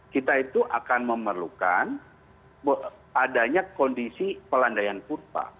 kita itu akan memerlukan adanya kondisi pelandaian kurva